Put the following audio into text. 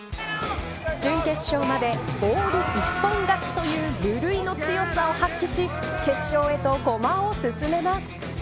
準決勝までオール一本勝ちという無類の強さを発揮し決勝へと駒を進めます。